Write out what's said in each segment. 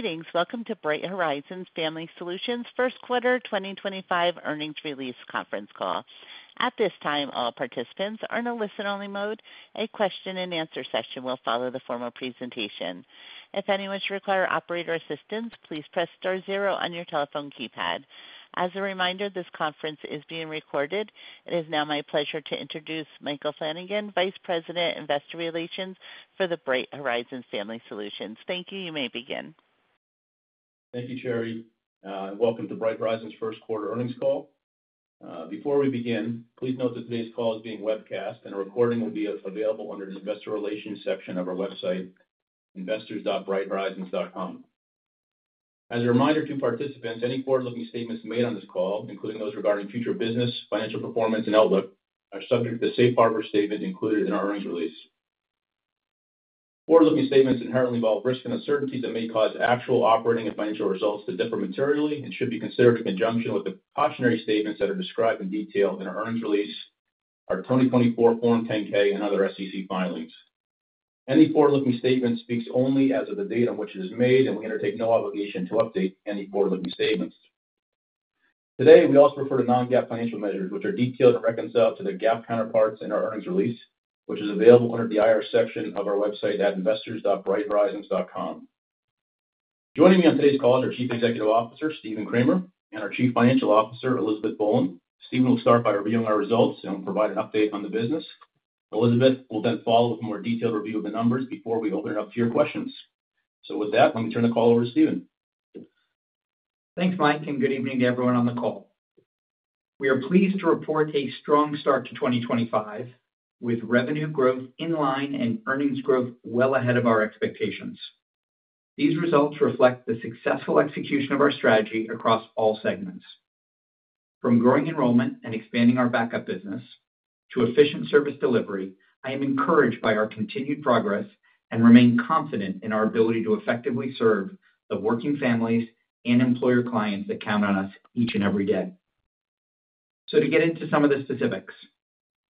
Greetings. Welcome to Bright Horizons Family Solutions' first quarter 2025 earnings release conference call. At this time, all participants are in a listen-only mode. A question-and-answer session will follow the formal presentation. If anyone should require operator assistance, please press star zero on your telephone keypad. As a reminder, this conference is being recorded. It is now my pleasure to introduce Michael Flanagan, Vice President, Investor Relations for Bright Horizons Family Solutions. Thank you. You may begin. Thank you, Cheri. Welcome to Bright Horizons' first quarter earnings call. Before we begin, please note that today's call is being webcast, and a recording will be available under the Investor Relations section of our website, investors.brighthorizons.com. As a reminder to participants, any forward-looking statements made on this call, including those regarding future business, financial performance, and outlook, are subject to the Safe Harbor statement included in our earnings release. Forward-looking statements inherently involve risks and uncertainties that may cause actual operating and financial results to differ materially and should be considered in conjunction with the cautionary statements that are described in detail in our earnings release, our 2024 Form 10-K, and other SEC filings. Any forward-looking statement speaks only as of the date on which it is made, and we undertake no obligation to update any forward-looking statements. Today, we also refer to non-GAAP financial measures, which are detailed and reconciled to their GAAP counterparts in our earnings release, which is available under the IR section of our website at investors.brighthorizons.com. Joining me on today's call is our Chief Executive Officer, Stephen Kramer, and our Chief Financial Officer, Elizabeth Boland. Stephen will start by reviewing our results and will provide an update on the business. Elizabeth will then follow with a more detailed review of the numbers before we open it up to your questions. With that, let me turn the call over to Stephen. Thanks, Mike, and good evening to everyone on the call. We are pleased to report a strong start to 2025 with revenue growth in line and earnings growth well ahead of our expectations. These results reflect the successful execution of our strategy across all segments. From growing enrollment and expanding our backup business to efficient service delivery, I am encouraged by our continued progress and remain confident in our ability to effectively serve the working families and employer clients that count on us each and every day. To get into some of the specifics,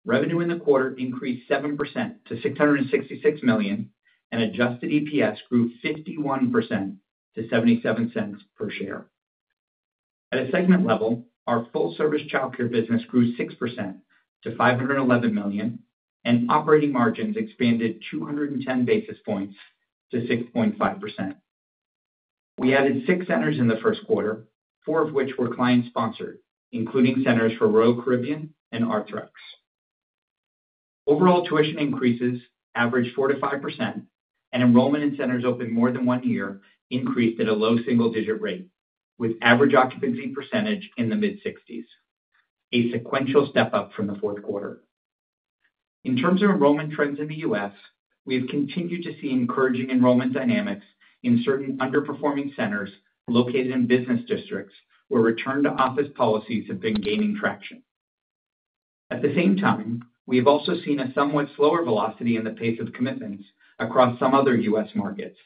revenue in the quarter increased 7% to $666 million, and adjusted EPS grew 51% to $0.77 per share. At a segment level, our full-service childcare business grew 6% to $511 million, and operating margins expanded 210 basis points to 6.5%. We added six centers in the first quarter, four of which were client-sponsored, including centers for Royal Caribbean and Arthrex. Overall, tuition increases averaged 4%-5%, and enrollment in centers open more than one year increased at a low single-digit rate, with average occupancy percentage in the mid-60s, a sequential step up from the fourth quarter. In terms of enrollment trends in the U.S., we have continued to see encouraging enrollment dynamics in certain underperforming centers located in business districts where return-to-office policies have been gaining traction. At the same time, we have also seen a somewhat slower velocity in the pace of commitments across some other U.S. markets,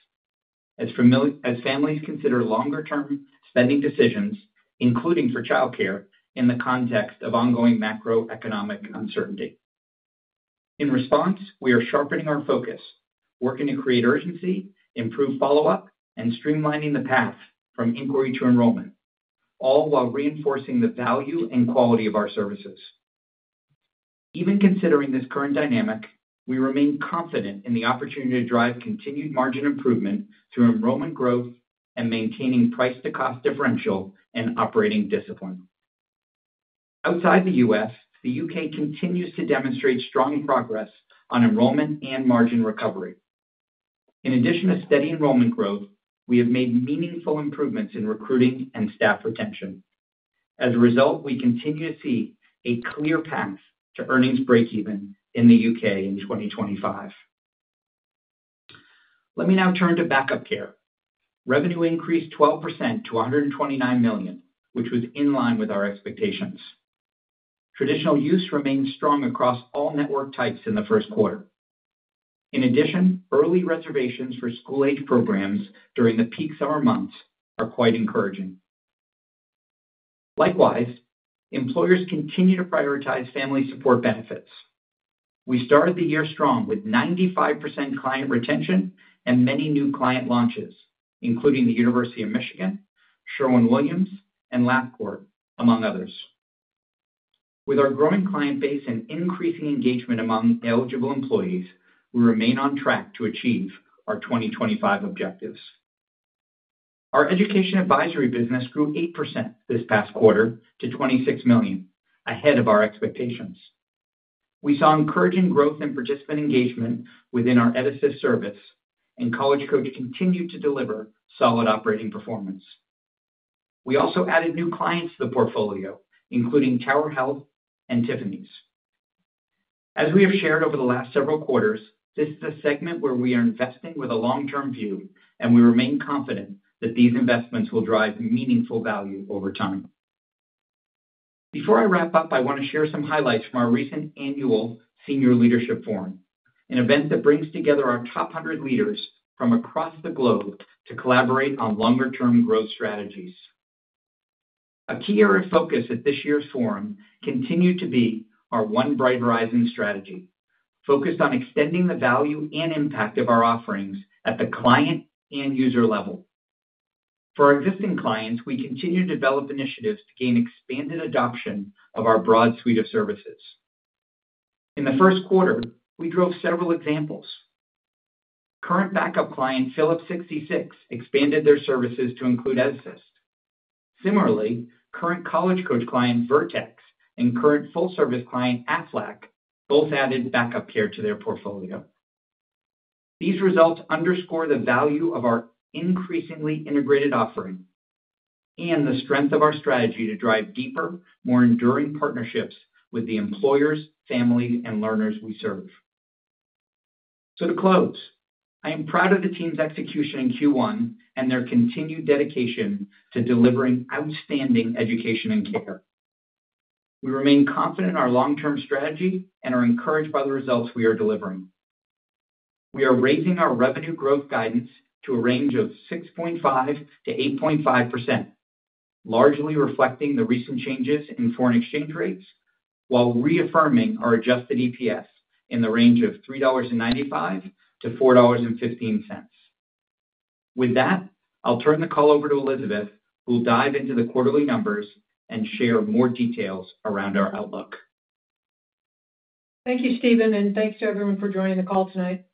as families consider longer-term spending decisions, including for childcare, in the context of ongoing macroeconomic uncertainty. In response, we are sharpening our focus, working to create urgency, improve follow-up, and streamline the path from inquiry to enrollment, all while reinforcing the value and quality of our services. Even considering this current dynamic, we remain confident in the opportunity to drive continued margin improvement through enrollment growth and maintaining price-to-cost differential and operating discipline. Outside the U.S., the U.K. continues to demonstrate strong progress on enrollment and margin recovery. In addition to steady enrollment growth, we have made meaningful improvements in recruiting and staff retention. As a result, we continue to see a clear path to earnings breakeven in the U.K. in 2025. Let me now turn to backup care. Revenue increased 12% to $129 million, which was in line with our expectations. Traditional use remained strong across all network types in the first quarter. In addition, early reservations for school-age programs during the peak summer months are quite encouraging. Likewise, employers continue to prioritize family support benefits. We started the year strong with 95% client retention and many new client launches, including the University of Michigan, Sherwin-Williams, and Lafarge, among others. With our growing client base and increasing engagement among eligible employees, we remain on track to achieve our 2025 objectives. Our education advisory business grew 8% this past quarter to $26 million, ahead of our expectations. We saw encouraging growth in participant engagement within our EdAssist service, and College Coach continued to deliver solid operating performance. We also added new clients to the portfolio, including Tower Health and Tiffany's. As we have shared over the last several quarters, this is a segment where we are investing with a long-term view, and we remain confident that these investments will drive meaningful value over time. Before I wrap up, I want to share some highlights from our recent annual Senior Leadership Forum, an event that brings together our top 100 leaders from across the globe to collaborate on longer-term growth strategies. A key area of focus at this year's forum continued to be our One Bright Horizons strategy, focused on extending the value and impact of our offerings at the client and user level. For our existing clients, we continue to develop initiatives to gain expanded adoption of our broad suite of services. In the first quarter, we drove several examples. Current backup care client Phillips 66 expanded their services to include EdAssist. Similarly, current College Coach client Vertex and current full-service client Aflac both added backup care to their portfolio. These results underscore the value of our increasingly integrated offering and the strength of our strategy to drive deeper, more enduring partnerships with the employers, families, and learners we serve. To close, I am proud of the team's execution in Q1 and their continued dedication to delivering outstanding education and care. We remain confident in our long-term strategy and are encouraged by the results we are delivering. We are raising our revenue growth guidance to a range of 6.5%-8.5%, largely reflecting the recent changes in foreign exchange rates, while reaffirming our adjusted EPS in the range of $3.95-$4.15. With that, I'll turn the call over to Elizabeth, who will dive into the quarterly numbers and share more details around our outlook. Thank you, Stephen, and thanks to everyone for joining the call tonight.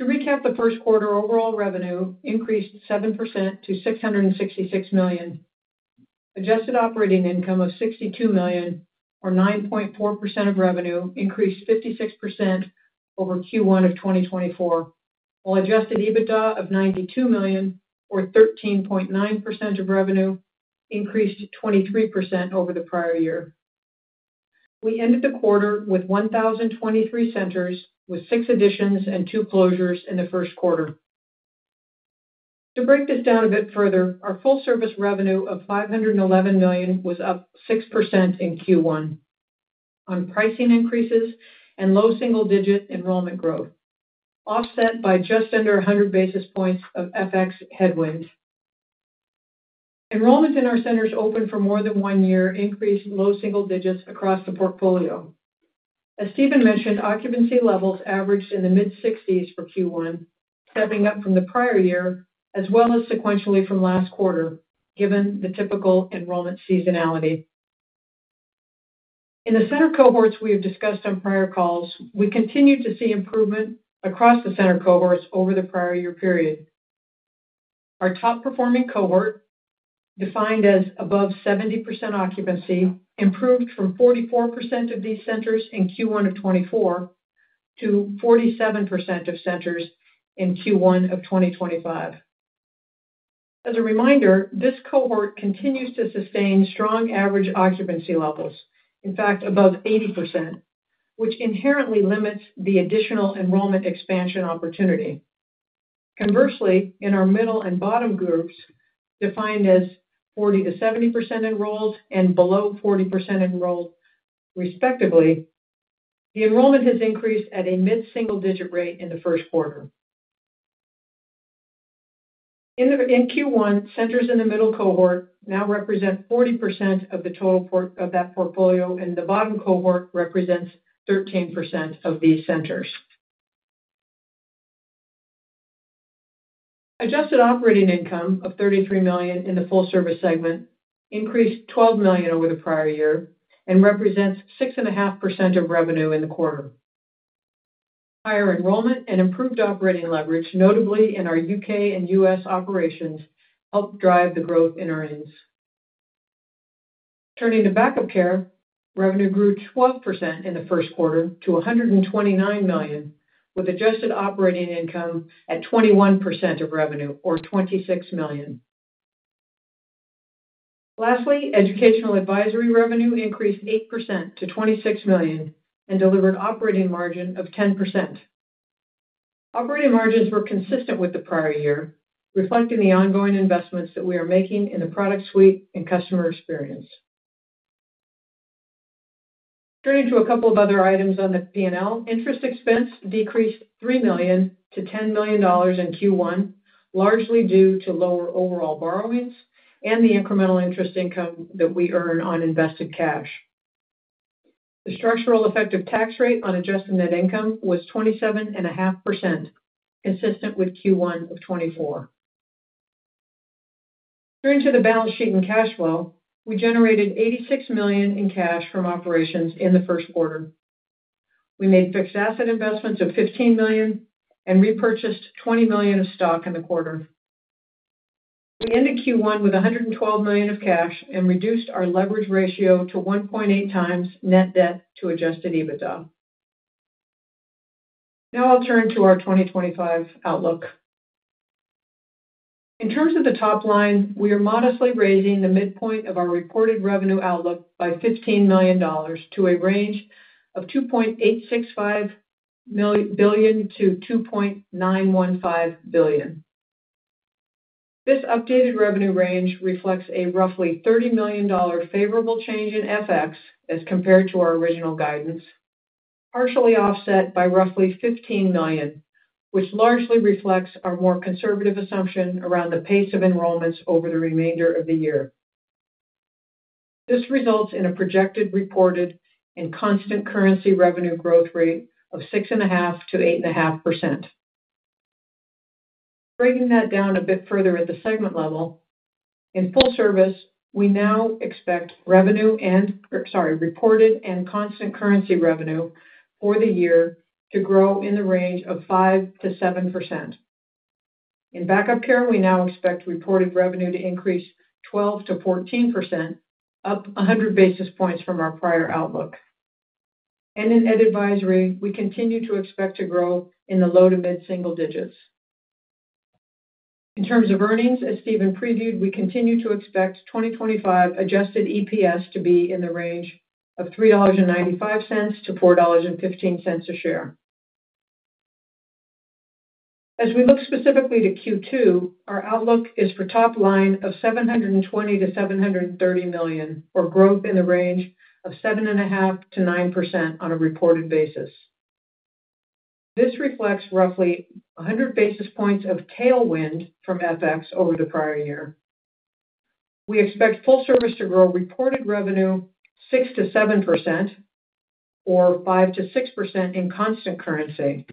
To recap, the first quarter overall revenue increased 7% to $666 million. Adjusted operating income of $62 million, or 9.4% of revenue, increased 56% over Q1 of 2024, while adjusted EBITDA of $92 million, or 13.9% of revenue, increased 23% over the prior year. We ended the quarter with 1,023 centers, with six additions and two closures in the first quarter. To break this down a bit further, our full-service revenue of $511 million was up 6% in Q1 on pricing increases and low single-digit enrollment growth, offset by just under 100 basis points of FX headwind. Enrollment in our centers open for more than one year increased low single digits across the portfolio. As Stephen mentioned, occupancy levels averaged in the mid-60% for Q1, stepping up from the prior year as well as sequentially from last quarter, given the typical enrollment seasonality. In the center cohorts we have discussed on prior calls, we continue to see improvement across the center cohorts over the prior year period. Our top-performing cohort, defined as above 70% occupancy, improved from 44% of these centers in Q1 of 2024 to 47% of centers in Q1 of 2025. As a reminder, this cohort continues to sustain strong average occupancy levels, in fact, above 80%, which inherently limits the additional enrollment expansion opportunity. Conversely, in our middle and bottom groups, defined as 40%-70% enrolled and below 40% enrolled, respectively, the enrollment has increased at a mid-single-digit rate in the first quarter. In Q1, centers in the middle cohort now represent 40% of the total of that portfolio, and the bottom cohort represents 13% of these centers. Adjusted operating income of $33 million in the full-service segment increased $12 million over the prior year and represents 6.5% of revenue in the quarter. Higher enrollment and improved operating leverage, notably in our U.K. and U.S. operations, helped drive the growth in earnings. Turning to backup care, revenue grew 12% in the first quarter to $129 million, with adjusted operating income at 21% of revenue, or $26 million. Lastly, educational advisory revenue increased 8% to $26 million and delivered operating margin of 10%. Operating margins were consistent with the prior year, reflecting the ongoing investments that we are making in the product suite and customer experience. Turning to a couple of other items on the P&L, interest expense decreased $3 million to $10 million in Q1, largely due to lower overall borrowings and the incremental interest income that we earn on invested cash. The structural effective tax rate on adjusted net income was 27.5%, consistent with Q1 of 2024. Turning to the balance sheet and cash flow, we generated $86 million in cash from operations in the first quarter. We made fixed asset investments of $15 million and repurchased $20 million of stock in the quarter. We ended Q1 with $112 million of cash and reduced our leverage ratio to 1.8x net debt to adjusted EBITDA. Now I'll turn to our 2025 outlook. In terms of the top line, we are modestly raising the midpoint of our reported revenue outlook by $15 million to a range of $2.865 billion-$2.915 billion. This updated revenue range reflects a roughly $30 million favorable change in FX as compared to our original guidance, partially offset by roughly $15 million, which largely reflects our more conservative assumption around the pace of enrollments over the remainder of the year. This results in a projected reported and constant currency revenue growth rate of 6.5%-8.5%. Breaking that down a bit further at the segment level, in full service, we now expect revenue and, sorry, reported and constant currency revenue for the year to grow in the range of 5%-7%. In backup care, we now expect reported revenue to increase 12%-14%, up 100 basis points from our prior outlook. In ed advisory, we continue to expect to grow in the low to mid-single digits. In terms of earnings, as Stephen previewed, we continue to expect 2025 adjusted EPS to be in the range of $3.95-$4.15 a share. As we look specifically to Q2, our outlook is for top line of $720 million-$730 million, or growth in the range of 7.5%-9% on a reported basis. This reflects roughly 100 basis points of tailwind from FX over the prior year. We expect full service to grow reported revenue 6%-7%, or 5%-6% in constant currency.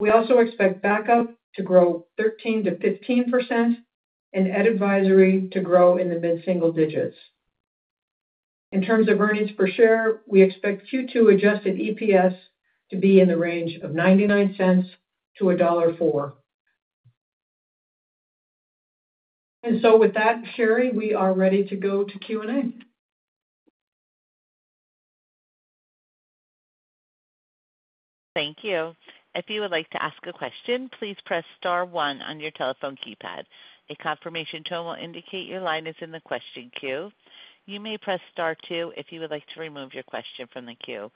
We also expect backup to grow 13%-15%, and ed advisory to grow in the mid-single digits. In terms of earnings per share, we expect Q2 adjusted EPS to be in the range of $0.99-$1.04. Cheri, we are ready to go to Q&A. Thank you. If you would like to ask a question, please press star one on your telephone keypad. A confirmation tone will indicate your line is in the question queue. You may press star two if you would like to remove your question from the queue.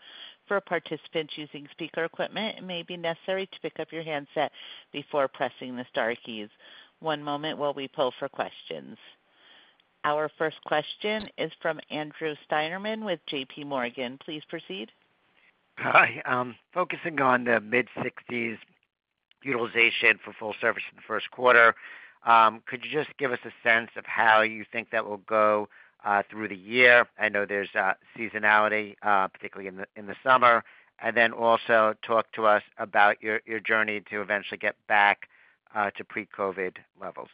For participants using speaker equipment, it may be necessary to pick up your handset before pressing the star keys. One moment while we pull for questions. Our first question is from Andrew Steinerman with JPMorgan. Please proceed. Hi. Focusing on the mid-60% utilization for full service in the first quarter, could you just give us a sense of how you think that will go through the year? I know there's seasonality, particularly in the summer. Also, talk to us about your journey to eventually get back to pre-COVID levels.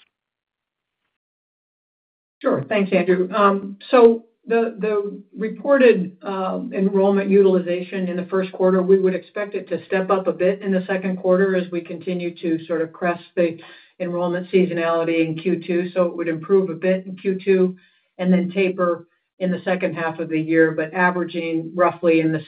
Sure. Thanks, Andrew. The reported enrollment utilization in the first quarter, we would expect it to step up a bit in the second quarter as we continue to sort of crest the enrollment seasonality in Q2. It would improve a bit in Q2 and then taper in the second half of the year, but averaging roughly in the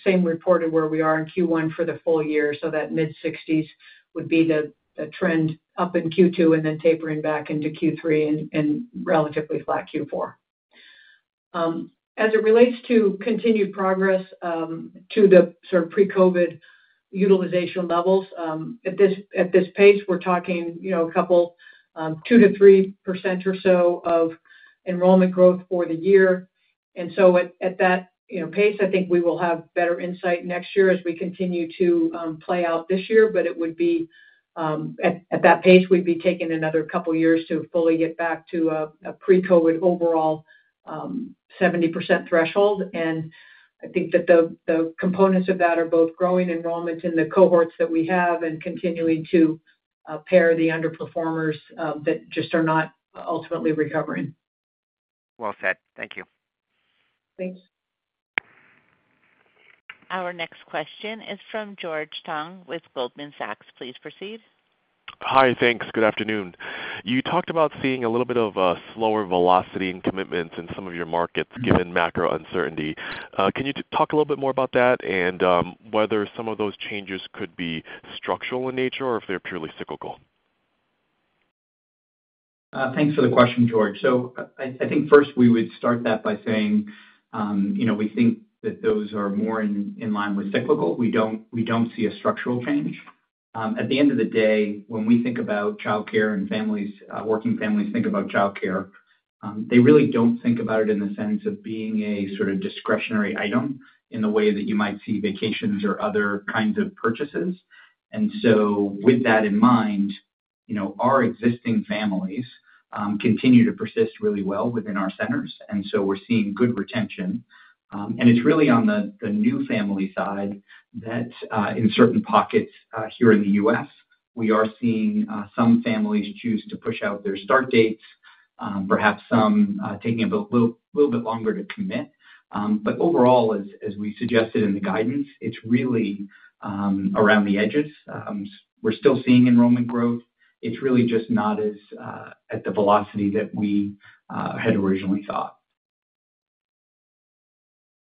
same reported where we are in Q1 for the full year. That mid-60s would be the trend up in Q2 and then tapering back into Q3 and relatively flat Q4. As it relates to continued progress to the sort of pre-COVID utilization levels, at this pace, we're talking a couple of 2%-3% or so of enrollment growth for the year. At that pace, I think we will have better insight next year as we continue to play out this year, but it would be at that pace, we'd be taking another couple of years to fully get back to a pre-COVID overall 70% threshold. I think that the components of that are both growing enrollments in the cohorts that we have and continuing to pair the underperformers that just are not ultimately recovering. Thank you. Thanks. Our next question is from George Tong with Goldman Sachs. Please proceed. Hi, thanks. Good afternoon. You talked about seeing a little bit of a slower velocity in commitments in some of your markets given macro uncertainty. Can you talk a little bit more about that and whether some of those changes could be structural in nature or if they're purely cyclical? Thanks for the question, George. I think first we would start that by saying we think that those are more in line with cyclical. We do not see a structural change. At the end of the day, when we think about childcare and working families think about childcare, they really do not think about it in the sense of being a sort of discretionary item in the way that you might see vacations or other kinds of purchases. With that in mind, our existing families continue to persist really well within our centers. We are seeing good retention. It is really on the new family side that in certain pockets here in the U.S., we are seeing some families choose to push out their start dates, perhaps some taking a little bit longer to commit. Overall, as we suggested in the guidance, it is really around the edges. We're still seeing enrollment growth. It's really just not at the velocity that we had originally thought.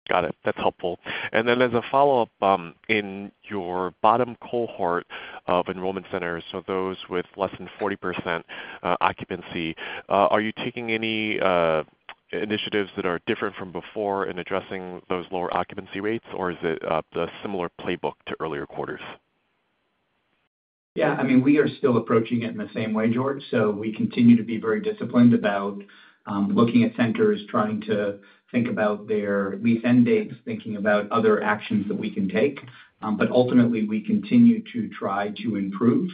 Got it. That's helpful. As a follow-up, in your bottom cohort of enrollment centers, so those with less than 40% occupancy, are you taking any initiatives that are different from before in addressing those lower occupancy rates, or is it a similar playbook to earlier quarters? Yeah. I mean, we are still approaching it in the same way, George. We continue to be very disciplined about looking at centers, trying to think about their lease end dates, thinking about other actions that we can take. Ultimately, we continue to try to improve.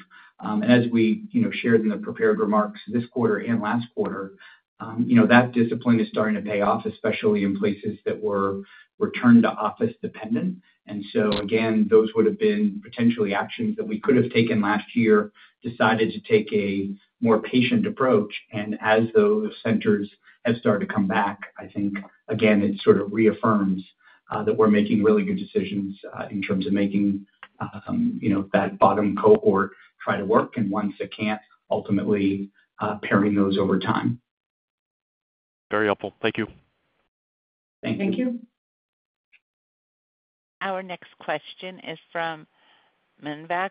As we shared in the prepared remarks this quarter and last quarter, that discipline is starting to pay off, especially in places that were returned to office dependent. Again, those would have been potentially actions that we could have taken last year, decided to take a more patient approach. As those centers have started to come back, I think, again, it sort of reaffirms that we're making really good decisions in terms of making that bottom cohort try to work. Once it can't, ultimately pairing those over time. Very helpful. Thank you. Thank you. Our next question is from Manav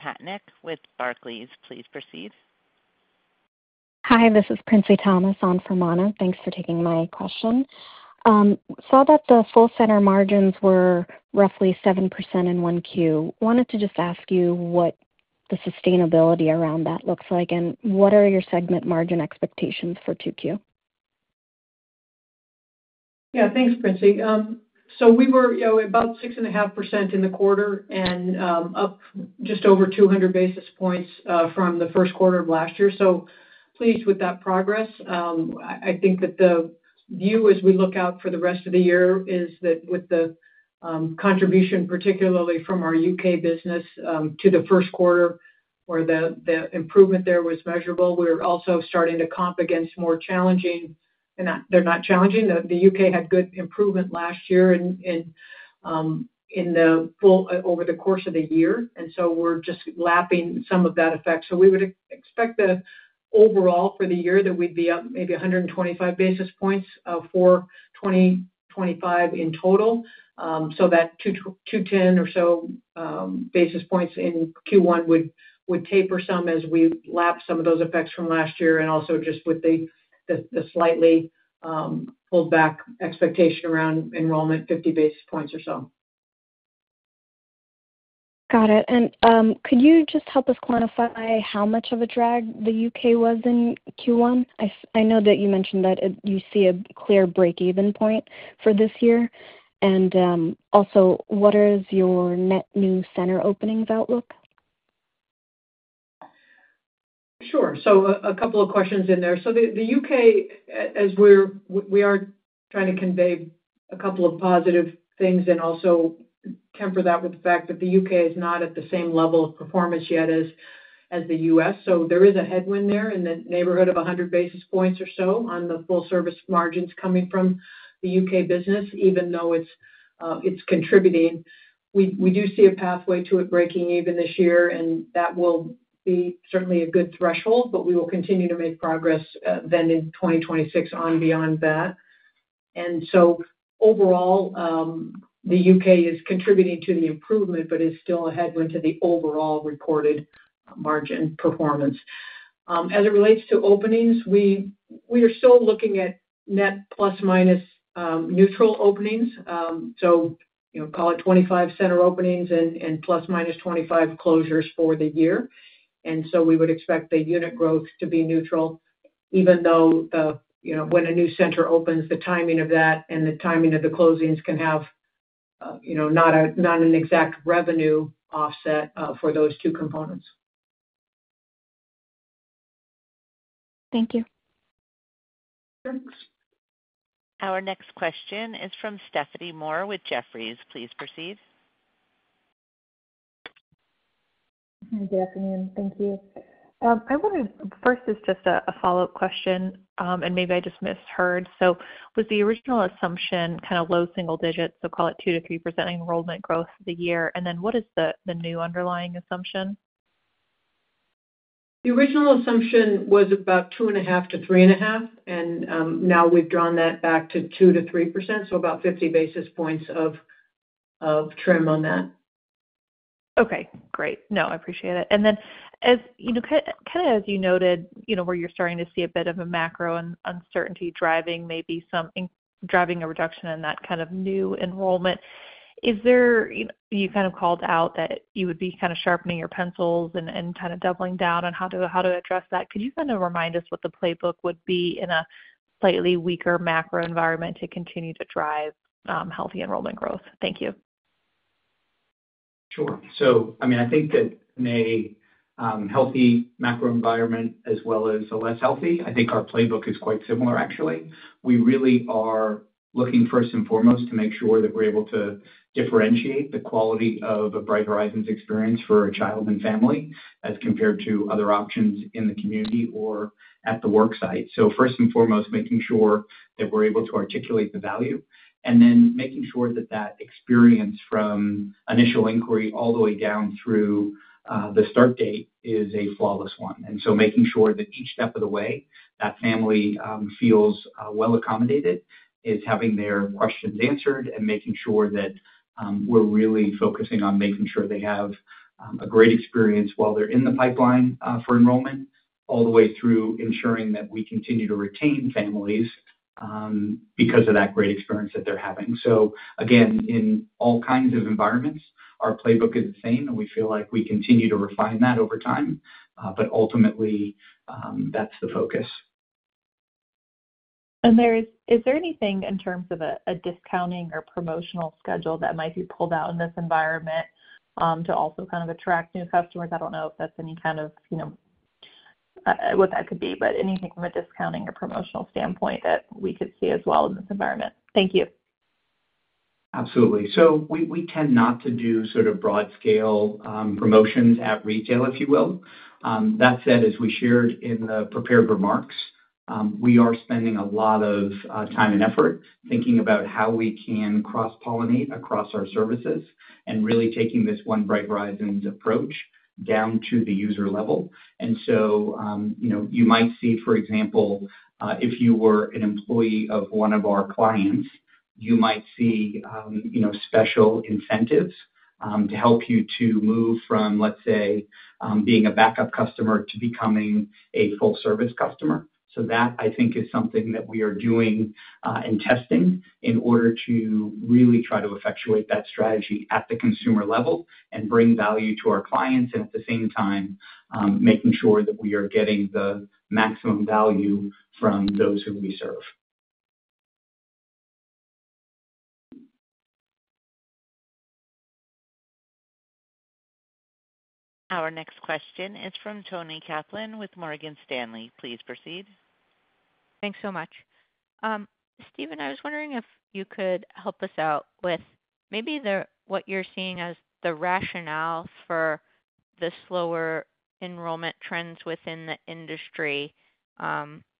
Patnaik with Barclays. Please proceed. Hi. This is Princy Thomas on for Manav. Thanks for taking my question. Saw that the full center margins were roughly 7% in 1Q. Wanted to just ask you what the sustainability around that looks like and what are your segment margin expectations for 2Q? Yeah. Thanks, Princy. We were about 6.5% in the quarter and up just over 200 basis points from the first quarter of last year. Pleased with that progress. I think that the view as we look out for the rest of the year is that with the contribution, particularly from our U.K. business to the first quarter, where the improvement there was measurable, we're also starting to comp against more challenging—they're not challenging. The U.K. had good improvement last year over the course of the year. We are just lapping some of that effect. We would expect the overall for the year that we'd be up maybe 125 basis points for 2025 in total. That 210 or so basis points in Q1 would taper some as we lap some of those effects from last year and also just with the slightly pulled back expectation around enrollment, 50 basis points or so. Got it. Could you just help us quantify how much of a drag the U.K. was in Q1? I know that you mentioned that you see a clear break-even point for this year. Also, what is your net new center openings outlook? Sure. A couple of questions in there. The U.K., as we are trying to convey, a couple of positive things and also temper that with the fact that the U.K. is not at the same level of performance yet as the U.S. There is a headwind there in the neighborhood of 100 basis points or so on the full-service margins coming from the U.K. business, even though it's contributing. We do see a pathway to breaking even this year, and that will be certainly a good threshold, but we will continue to make progress then in 2026 and beyond that. Overall, the U.K. is contributing to the improvement, but it's still a headwind to the overall reported margin performance. As it relates to openings, we are still looking at net plus minus neutral openings. Call it 25 center openings and ±25 closures for the year. We would expect the unit growth to be neutral, even though when a new center opens, the timing of that and the timing of the closings can have not an exact revenue offset for those two components. Thank you. Thanks. Our next question is from Stephanie Moore with Jefferies. Please proceed. Good afternoon. Thank you. I wanted—first is just a follow-up question, and maybe I just misheard. Was the original assumption kind of low single digits, so call it 2%-3% enrollment growth the year? What is the new underlying assumption? The original assumption was about 2.5%-3.5%. Now we've drawn that back to 2%-3%, so about 50 basis points of trim on that. Okay. Great. No, I appreciate it. As you noted, where you're starting to see a bit of a macro uncertainty driving maybe some driving a reduction in that kind of new enrollment, you called out that you would be sharpening your pencils and doubling down on how to address that. Could you remind us what the playbook would be in a slightly weaker macro environment to continue to drive healthy enrollment growth? Thank you. Sure. I mean, I think that in a healthy macro environment as well as a less healthy, I think our playbook is quite similar, actually. We really are looking first and foremost to make sure that we're able to differentiate the quality of a Bright Horizons experience for a child and family as compared to other options in the community or at the work site. First and foremost, making sure that we're able to articulate the value. Then making sure that that experience from initial inquiry all the way down through the start date is a flawless one. Making sure that each step of the way that family feels well accommodated is having their questions answered and making sure that we're really focusing on making sure they have a great experience while they're in the pipeline for enrollment all the way through ensuring that we continue to retain families because of that great experience that they're having. In all kinds of environments, our playbook is the same, and we feel like we continue to refine that over time. Ultimately, that's the focus. Is there anything in terms of a discounting or promotional schedule that might be pulled out in this environment to also kind of attract new customers? I do not know if that is any kind of what that could be, but anything from a discounting or promotional standpoint that we could see as well in this environment? Thank you. Absolutely. We tend not to do sort of broad-scale promotions at retail, if you will. That said, as we shared in the prepared remarks, we are spending a lot of time and effort thinking about how we can cross-pollinate across our services and really taking this One Bright Horizons approach down to the user level. You might see, for example, if you were an employee of one of our clients, you might see special incentives to help you to move from, let's say, being a Backup Care customer to becoming a Full-Service customer. That, I think, is something that we are doing and testing in order to really try to effectuate that strategy at the consumer level and bring value to our clients and at the same time making sure that we are getting the maximum value from those who we serve. Our next question is from Toni Kaplan with Morgan Stanley. Please proceed. Thanks so much. Stephen, I was wondering if you could help us out with maybe what you're seeing as the rationale for the slower enrollment trends within the industry.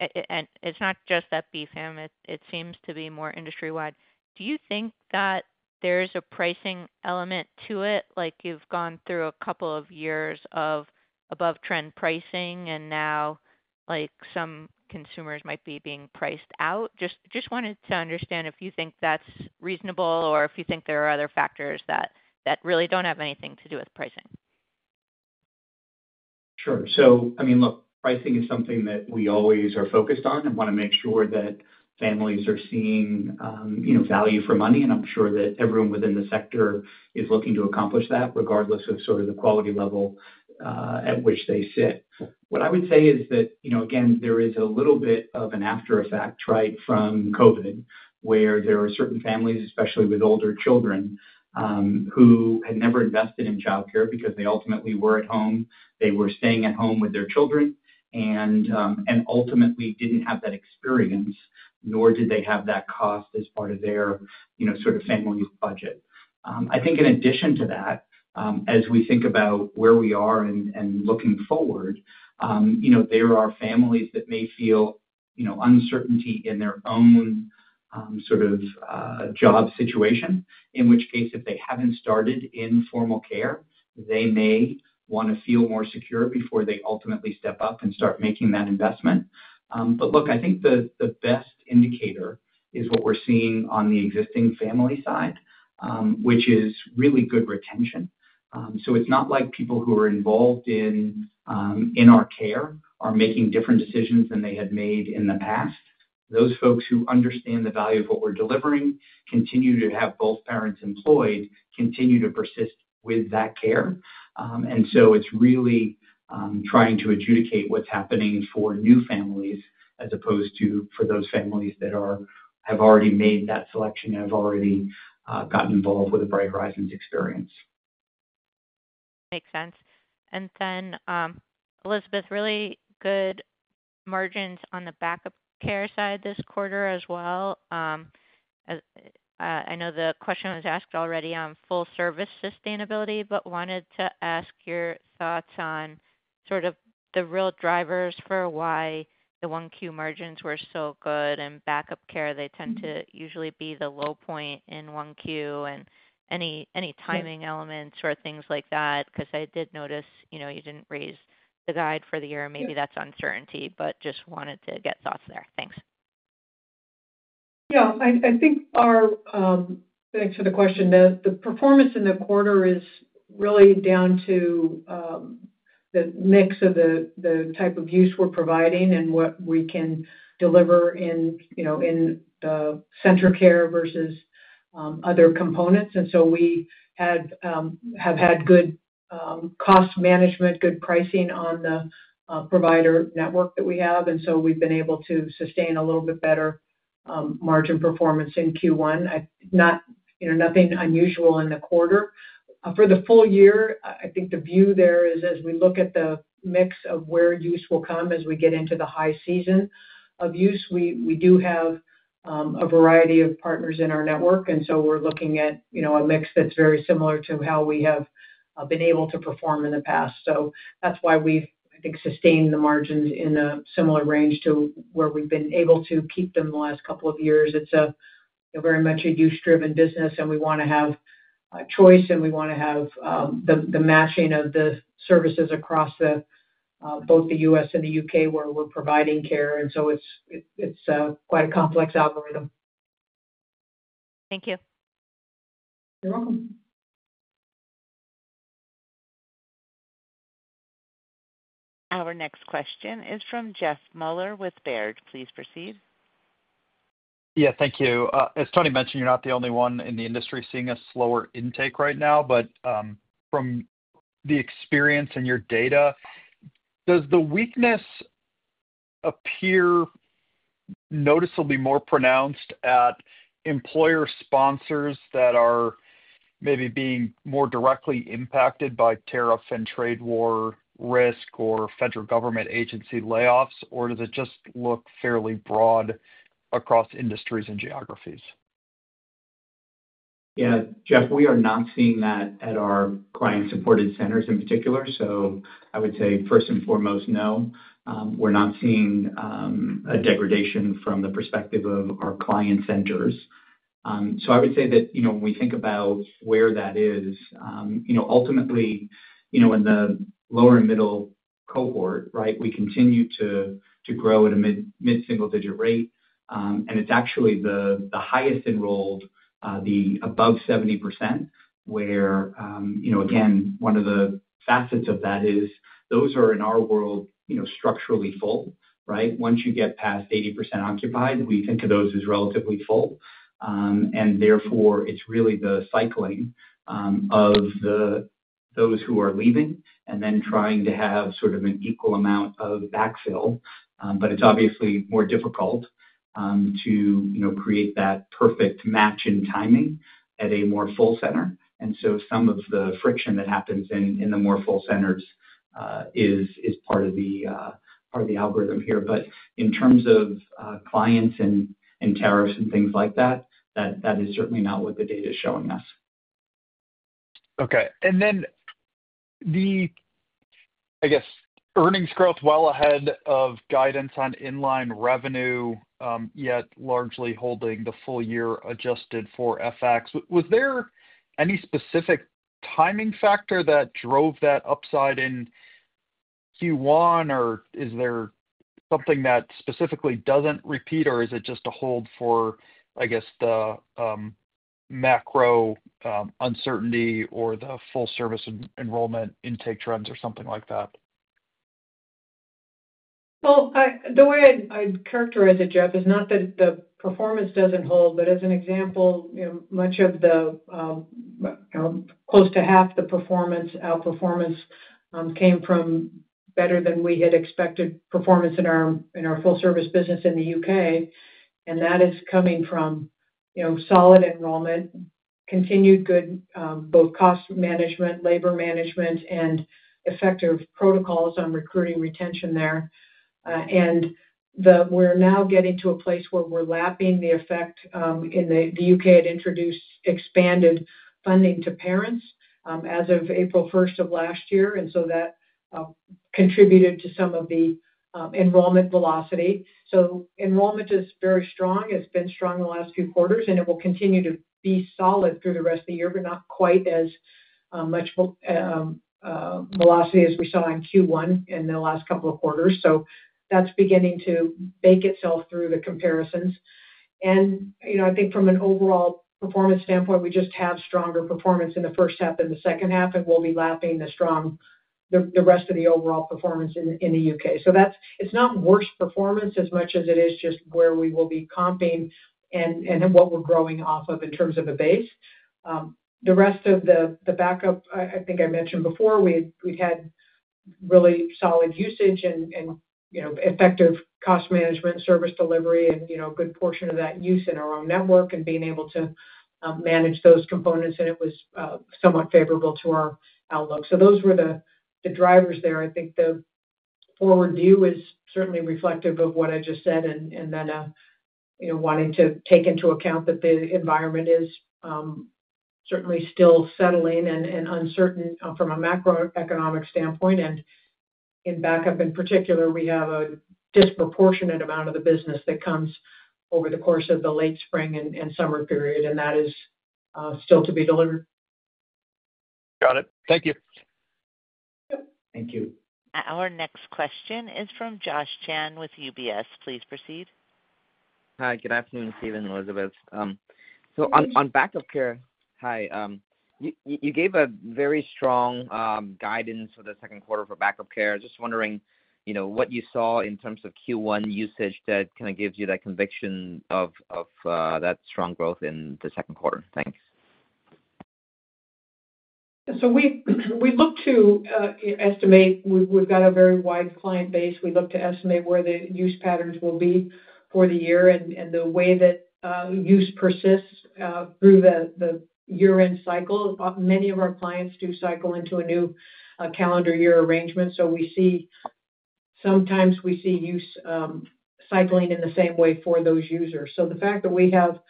It's not just at BFAM. It seems to be more industry wide. Do you think that there's a pricing element to it? You've gone through a couple of years of above-trend pricing, and now some consumers might be being priced out. Just wanted to understand if you think that's reasonable or if you think there are other factors that really don't have anything to do with pricing. Sure. I mean, look, pricing is something that we always are focused on and want to make sure that families are seeing value for money. I'm sure that everyone within the sector is looking to accomplish that regardless of sort of the quality level at which they sit. What I would say is that, again, there is a little bit of an aftereffect, right, from COVID, where there are certain families, especially with older children, who had never invested in childcare because they ultimately were at home. They were staying at home with their children and ultimately didn't have that experience, nor did they have that cost as part of their sort of family budget. I think in addition to that, as we think about where we are and looking forward, there are families that may feel uncertainty in their own sort of job situation, in which case if they have not started in formal care, they may want to feel more secure before they ultimately step up and start making that investment. I think the best indicator is what we are seeing on the existing family side, which is really good retention. It is not like people who are involved in our care are making different decisions than they had made in the past. Those folks who understand the value of what we are delivering continue to have both parents employed, continue to persist with that care. It is really trying to adjudicate what is happening for new families as opposed to for those families that have already made that selection and have already gotten involved with a Bright Horizons experience. Makes sense. Elizabeth, really good margins on the backup care side this quarter as well. I know the question was asked already on full-service sustainability but wanted to ask your thoughts on sort of the real drivers for why the Q1 margins were so good in backup care. They tend to usually be the low point in Q1 and any timing elements or things like that because I did notice you did not raise the guide for the year. Maybe that is uncertainty but just wanted to get thoughts there. Thanks. Yeah. I think our thanks for the question. The performance in the quarter is really down to the mix of the type of use we're providing and what we can deliver in the center care versus other components. We have had good cost management, good pricing on the provider network that we have. We have been able to sustain a little bit better margin performance in Q1. Nothing unusual in the quarter. For the full year, I think the view there is as we look at the mix of where use will come as we get into the high season of use, we do have a variety of partners in our network. We are looking at a mix that's very similar to how we have been able to perform in the past. That is why we've, I think, sustained the margins in a similar range to where we've been able to keep them the last couple of years. It's very much a use-driven business, and we want to have choice, and we want to have the matching of the services across both the U.S. and the U.K. where we're providing care. It is quite a complex algorithm. Thank you. You're welcome. Our next question is from Jeff Meuler with Baird. Please proceed. Yeah. Thank you. As Toni mentioned, you're not the only one in the industry seeing a slower intake right now. From the experience and your data, does the weakness appear noticeably more pronounced at employer sponsors that are maybe being more directly impacted by tariff and trade war risk or federal government agency layoffs, or does it just look fairly broad across industries and geographies? Yeah. Jeff, we are not seeing that at our client-supported centers in particular. I would say first and foremost, no. We're not seeing a degradation from the perspective of our client centers. I would say that when we think about where that is, ultimately, in the lower and middle cohort, right, we continue to grow at a mid-single-digit rate. It's actually the highest enrolled, the above 70%, where, again, one of the facets of that is those are in our world structurally full, right? Once you get past 80% occupied, we think of those as relatively full. Therefore, it's really the cycling of those who are leaving and then trying to have sort of an equal amount of backfill. It's obviously more difficult to create that perfect match in timing at a more full center. Some of the friction that happens in the more full centers is part of the algorithm here. In terms of clients and tariffs and things like that, that is certainly not what the data is showing us. Okay. And then the, I guess, earnings growth well ahead of guidance on inline revenue, yet largely holding the full year adjusted for FX. Was there any specific timing factor that drove that upside in Q1, or is there something that specifically does not repeat, or is it just a hold for, I guess, the macro uncertainty or the full-service enrollment intake trends or something like that? The way I'd characterize it, Jeff, is not that the performance doesn't hold. As an example, much of the close to half the performance, our performance came from better than we had expected performance in our full-service business in the U.K. That is coming from solid enrollment, continued good both cost management, labor management, and effective protocols on recruiting retention there. We're now getting to a place where we're lapping the effect in the U.K. had introduced expanded funding to parents as of April 1st of last year. That contributed to some of the enrollment velocity. Enrollment is very strong. It's been strong the last few quarters, and it will continue to be solid through the rest of the year, but not quite as much velocity as we saw in Q1 in the last couple of quarters. That's beginning to bake itself through the comparisons. I think from an overall performance standpoint, we just have stronger performance in the first half than the second half, and we'll be lapping the rest of the overall performance in the U.K. It's not worse performance as much as it is just where we will be comping and what we're growing off of in terms of a base. The rest of the backup, I think I mentioned before, we've had really solid usage and effective cost management, service delivery, and a good portion of that use in our own network and being able to manage those components. It was somewhat favorable to our outlook. Those were the drivers there. I think the forward view is certainly reflective of what I just said and then wanting to take into account that the environment is certainly still settling and uncertain from a macroeconomic standpoint. In backup, in particular, we have a disproportionate amount of the business that comes over the course of the late spring and summer period, and that is still to be delivered. Got it. Thank you. Thank you. Our next question is from Josh Chan with UBS. Please proceed. Hi. Good afternoon, Stephen and Elizabeth. On backup care, hi. You gave a very strong guidance for the second quarter for backup care. Just wondering what you saw in terms of Q1 usage that kind of gives you that conviction of that strong growth in the second quarter. Thanks. We look to estimate we've got a very wide client base. We look to estimate where the use patterns will be for the year and the way that use persists through the year-end cycle. Many of our clients do cycle into a new calendar year arrangement. Sometimes we see use cycling in the same way for those users. The fact that we have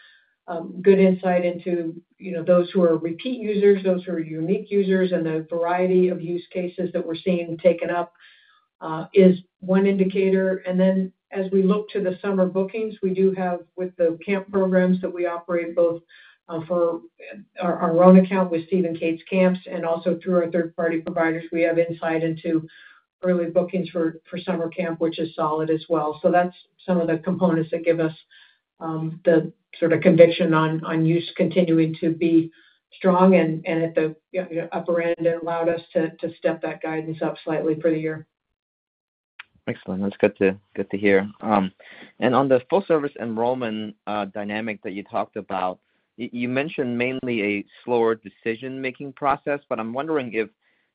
good insight into those who are repeat users, those who are unique users, and the variety of use cases that we're seeing taken up is one indicator. As we look to the summer bookings, we do have with the camp programs that we operate both for our own account with Steve & Kate's Camp and also through our third-party providers, we have insight into early bookings for summer camp, which is solid as well. That's some of the components that give us the sort of conviction on use continuing to be strong and at the upper end and allowed us to step that guidance up slightly for the year. Excellent. That's good to hear. On the full-service enrollment dynamic that you talked about, you mentioned mainly a slower decision-making process. I'm wondering if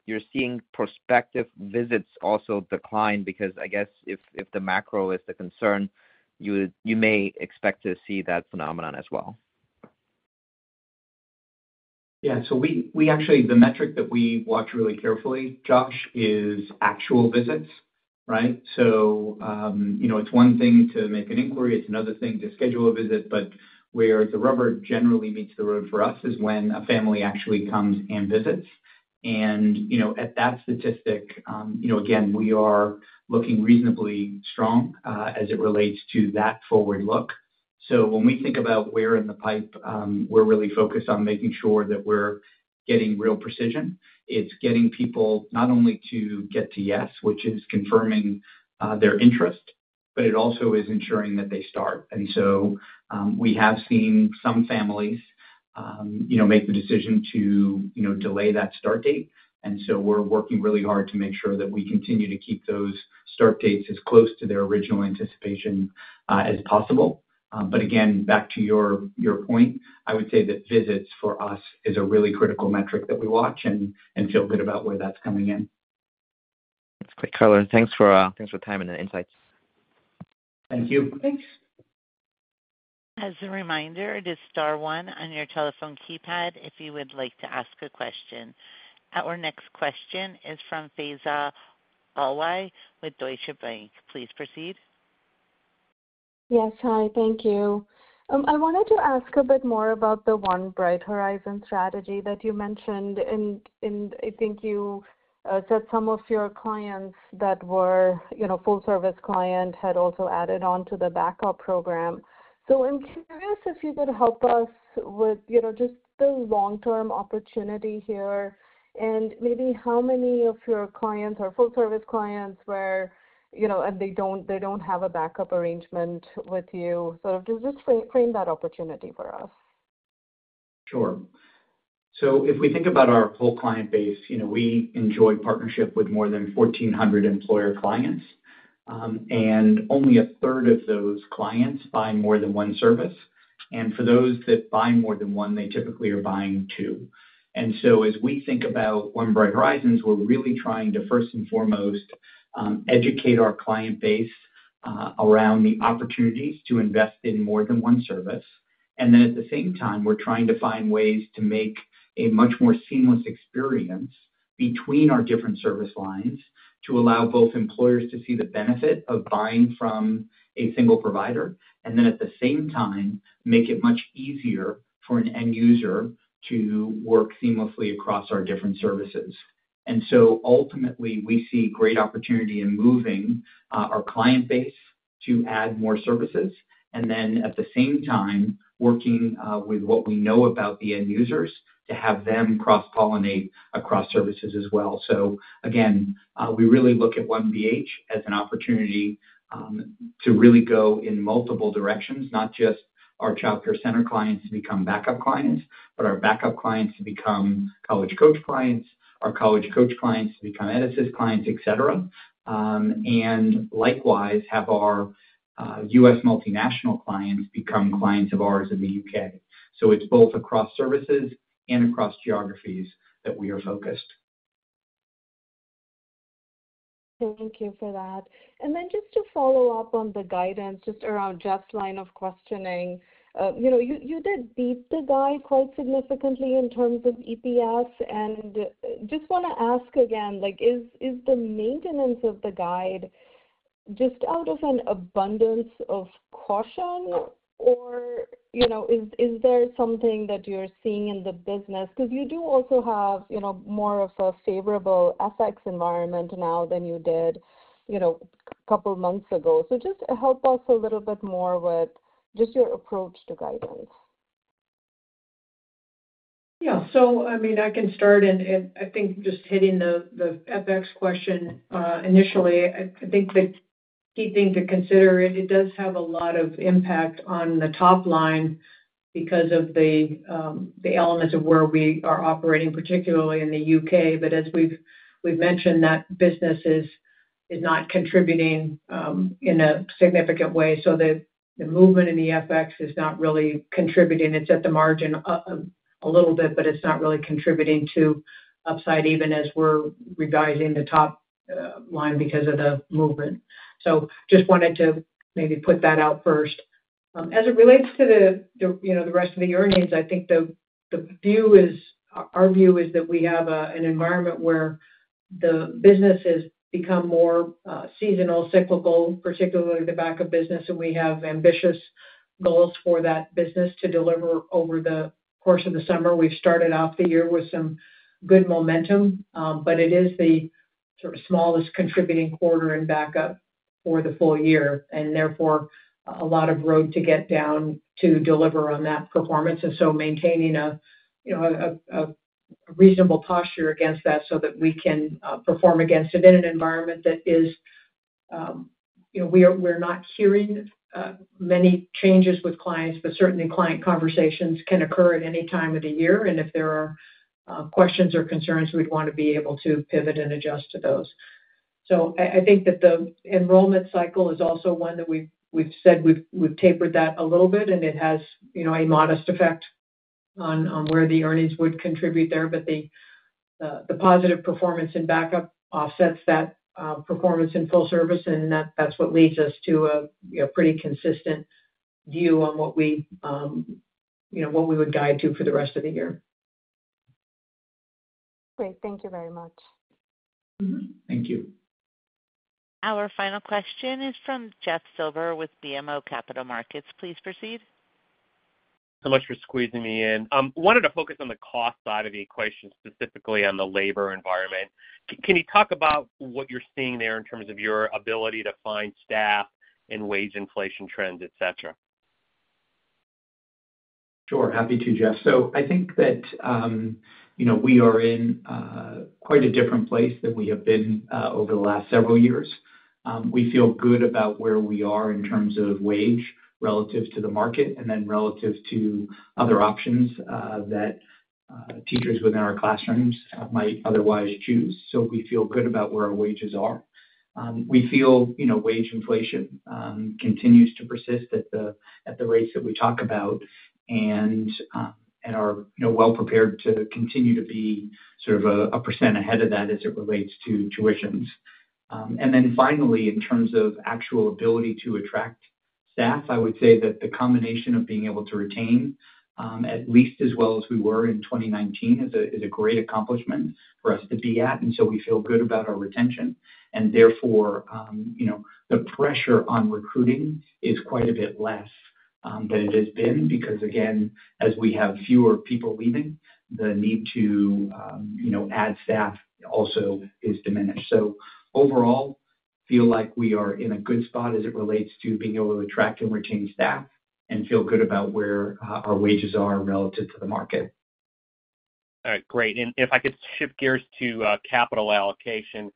you're seeing prospective visits also decline because I guess if the macro is the concern, you may expect to see that phenomenon as well. Yeah. Actually, the metric that we watch really carefully, Josh, is actual visits, right? It is one thing to make an inquiry. It is another thing to schedule a visit. Where the rubber generally meets the road for us is when a family actually comes and visits. At that statistic, again, we are looking reasonably strong as it relates to that forward look. When we think about where in the pipe, we are really focused on making sure that we are getting real precision. It is getting people not only to get to yes, which is confirming their interest, but it also is ensuring that they start. We have seen some families make the decision to delay that start date. We are working really hard to make sure that we continue to keep those start dates as close to their original anticipation as possible. Again, back to your point, I would say that visits for us is a really critical metric that we watch and feel good about where that's coming in. That's great, color. Thank you for your time and the insights. Thank you. Thanks. As a reminder, it is star one on your telephone keypad if you would like to ask a question. Our next question is from Faiza Alwy with Deutsche Bank. Please proceed. Yes. Hi. Thank you. I wanted to ask a bit more about the One Bright Horizons strategy that you mentioned. I think you said some of your clients that were full-service clients had also added on to the backup program. I am curious if you could help us with just the long-term opportunity here and maybe how many of your clients are full-service clients and they do not have a backup arrangement with you. Just frame that opportunity for us. Sure. If we think about our whole client base, we enjoy partnership with more than 1,400 employer clients. Only 1/3 of those clients buy more than one service. For those that buy more than one, they typically are buying two. As we think about one Bright Horizons, we're really trying to first and foremost educate our client base around the opportunities to invest in more than one service. At the same time, we're trying to find ways to make a much more seamless experience between our different service lines to allow both employers to see the benefit of buying from a single provider, and at the same time, make it much easier for an end user to work seamlessly across our different services. Ultimately, we see great opportunity in moving our client base to add more services and then at the same time working with what we know about the end users to have them cross-pollinate across services as well. Again, we really look at One BH as an opportunity to really go in multiple directions, not just our childcare center clients to become backup clients, but our backup clients to become College Coach clients, our College Coach clients to become EdAssist clients, etc., and likewise have our U.S. multinational clients become clients of ours in the U.K. It is both across services and across geographies that we are focused. Thank you for that. Just to follow up on the guidance, just around Jeff's line of questioning, you did beat the guide quite significantly in terms of EPS. I just want to ask again, is the maintenance of the guide just out of an abundance of caution, or is there something that you're seeing in the business? Because you do also have more of a favorable FX environment now than you did a couple of months ago. Just help us a little bit more with just your approach to guidance. Yeah. I mean, I can start, and I think just hitting the FX question initially, I think the key thing to consider, it does have a lot of impact on the top line because of the elements of where we are operating, particularly in the U.K. As we've mentioned that business is not contributing in a significant way. The movement in the FX is not really contributing. It's at the margin a little bit, but it's not really contributing to upside even as we're revising the top line because of the movement. I just wanted to maybe put that out first. As it relates to the rest of the earnings, I think our view is that we have an environment where the business has become more seasonal, cyclical, particularly the backup business. We have ambitious goals for that business to deliver over the course of the summer. We've started off the year with some good momentum, but it is the smallest contributing quarter in backup for the full year. Therefore, a lot of road to get down to deliver on that performance. Maintaining a reasonable posture against that so that we can perform against it in an environment that is, we're not hearing many changes with clients, but certainly client conversations can occur at any time of the year. If there are questions or concerns, we'd want to be able to pivot and adjust to those. I think that the enrollment cycle is also one that we've said we've tapered that a little bit, and it has a modest effect on where the earnings would contribute there. The positive performance in backup offsets that performance in full service, and that's what leads us to a pretty consistent view on what we would guide to for the rest of the year. Great. Thank you very much. Thank you. Our final question is from Jeff Silber with BMO Capital Markets. Please proceed. Thanks so much for squeezing me in. I wanted to focus on the cost side of the equation, specifically on the labor environment. Can you talk about what you're seeing there in terms of your ability to find staff and wage inflation trends, etc.? Sure. Happy to, Jeff. I think that we are in quite a different place than we have been over the last several years. We feel good about where we are in terms of wage relative to the market and then relative to other options that teachers within our classrooms might otherwise choose. We feel good about where our wages are. We feel wage inflation continues to persist at the rates that we talk about and are well-prepared to continue to be sort of a percent ahead of that as it relates to tuitions. Finally, in terms of actual ability to attract staff, I would say that the combination of being able to retain at least as well as we were in 2019 is a great accomplishment for us to be at. We feel good about our retention. Therefore, the pressure on recruiting is quite a bit less than it has been because, again, as we have fewer people leaving, the need to add staff also is diminished. Overall, I feel like we are in a good spot as it relates to being able to attract and retain staff and feel good about where our wages are relative to the market. All right. Great. If I could shift gears to capital allocation,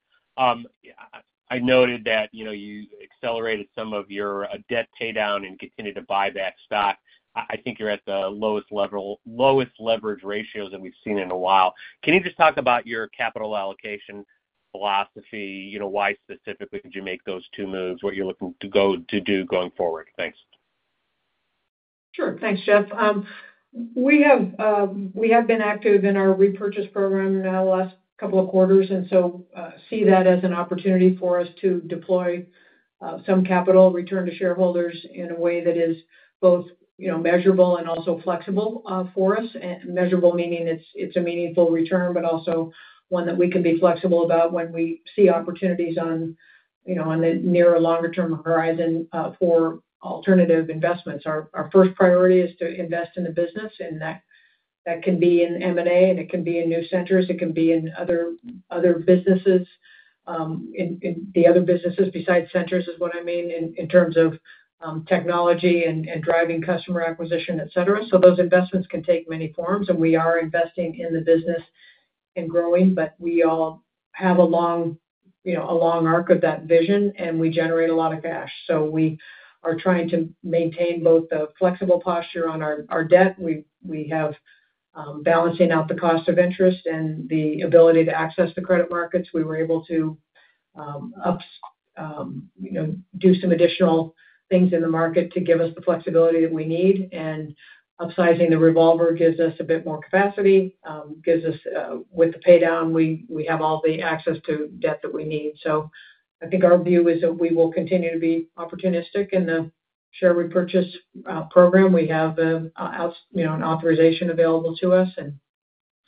I noted that you accelerated some of your debt paydown and continued to buy back stock. I think you're at the lowest leverage ratios that we've seen in a while. Can you just talk about your capital allocation philosophy? Why specifically did you make those two moves? What are you looking to go to do going forward? Thanks. Sure. Thanks, Jeff. We have been active in our repurchase program now the last couple of quarters, and see that as an opportunity for us to deploy some capital return to shareholders in a way that is both measurable and also flexible for us. Measurable meaning it's a meaningful return, but also one that we can be flexible about when we see opportunities on the near or longer-term horizon for alternative investments. Our first priority is to invest in the business, and that can be in M&A, and it can be in new centers. It can be in other businesses. The other businesses besides centers is what I mean in terms of technology and driving customer acquisition, etc. Those investments can take many forms, and we are investing in the business and growing, but we all have a long arc of that vision, and we generate a lot of cash. We are trying to maintain both the flexible posture on our debt. We have balancing out the cost of interest and the ability to access the credit markets. We were able to do some additional things in the market to give us the flexibility that we need. Upsizing the revolver gives us a bit more capacity. With the paydown, we have all the access to debt that we need. I think our view is that we will continue to be opportunistic in the share repurchase program. We have an authorization available to us and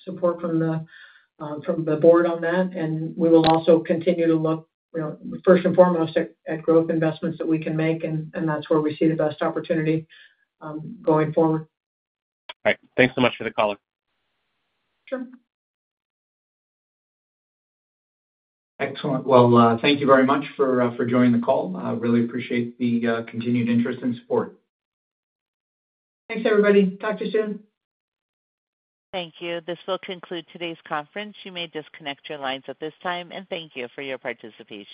support from the board on that. We will also continue to look first and foremost at growth investments that we can make, and that's where we see the best opportunity going forward. All right. Thanks so much for the call. Sure. Excellent. Thank you very much for joining the call. I really appreciate the continued interest and support. Thanks, everybody. Talk to you soon. Thank you. This will conclude today's conference. You may disconnect your lines at this time. Thank you for your participation.